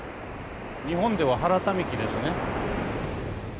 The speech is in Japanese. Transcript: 日本では原民喜ですね。